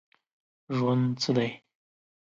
ژوند څه دی ؟